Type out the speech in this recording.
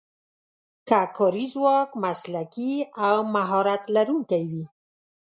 که کاري ځواک مسلکي او مهارت لرونکی وي.